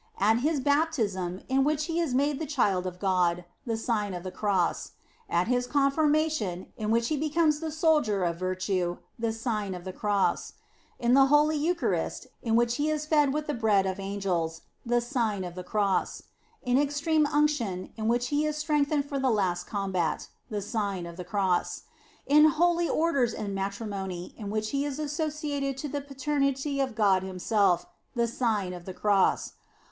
O At his baptism, in which he is made the child of God, the Sign of the Cross; at his Confirmation, in which he becomes the soldier of virtue, the Sign of the Cross ; in the Holy Eucharist, in which he is fed with the bread of angels, the Sign of the Cross ; in Extreme Unction, in which he is strengthened for the last combat, the Sign of the Cross; in Holy Orders and Matrimony, in which he is asso ciated to the paternity of God Himself, the Sign of the Cross.